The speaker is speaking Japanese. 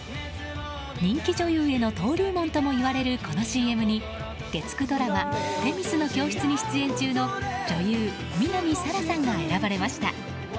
人気女優への登竜門といわれるこのＣＭに月９ドラマ「女神の教室」に出演中の女優・南沙良さんが選ばれました。